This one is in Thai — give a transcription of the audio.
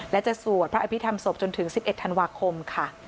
และจะสวดพระอภิษฐรรศพจนถึง๑๑ธันวาคมค่ะ